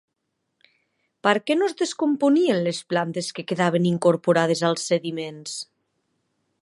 Per què no es descomponien les plantes que quedaven incorporades als sediments?